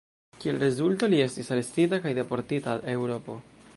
Kiel rezulto, li estis arestita kaj deportita al Eŭropo.